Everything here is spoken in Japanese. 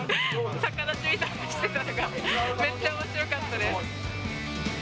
逆立ちみたいのしてたのが、めっちゃおもしろかったです。